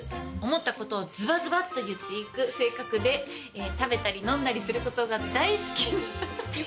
思ったことをずばずばっと言っていく性格で食べたり飲んだりすることが大好きな。